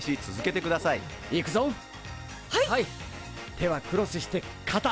手はクロスしてかた！